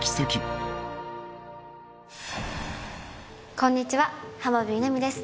こんにちは浜辺美波です